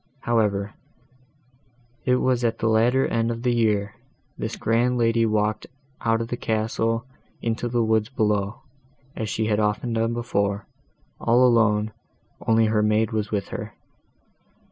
However, it was at the latter end of the year, this grand lady walked out of the castle into the woods below, as she had often done before, all alone, only her maid was with her.